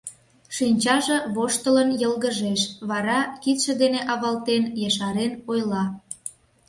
Шинчаже воштылын йылгыжеш, вара, кидше дене авалтен, ешарен ойла: